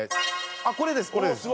あっこれですこれです。